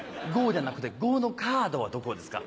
ＧＯじゃなくて呉のカードはどこですか？